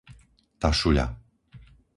Tašuľa